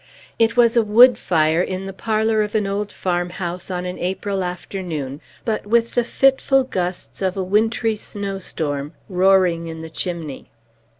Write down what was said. It was a wood fire, in the parlor of an old farmhouse, on an April afternoon, but with the fitful gusts of a wintry snowstorm roaring in the chimney.